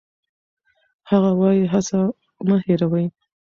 هغه وايي، هڅه مه هېروئ.